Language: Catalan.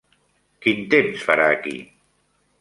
Quin temps farà aquí?